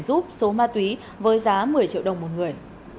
giúp số ma túy với giá một mươi triệu đồng một người